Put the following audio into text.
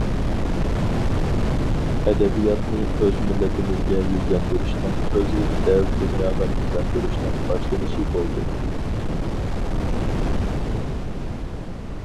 ئەدەبىياتنى ئۆز مىللىتىمىزگە يۈزلەندۈرۈشنىڭ ئۆزى دەل دۇنياغا يۈزلەندۈرۈشنىڭ باشلىنىشى بولدى.